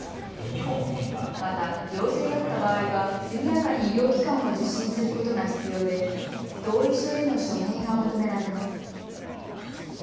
また、陽性だった場合は速やかに医療機関を受診することが必要で同意書への署名が求められます。